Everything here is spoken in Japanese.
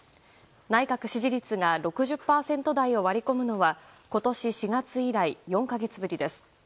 内閣支持率が６０％台を割り込むのは今年４月以来４か月ぶりです。